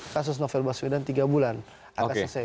kasus novel baswedan tiga bulan akan selesai